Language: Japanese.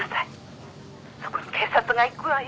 そこに警察が行くわよ。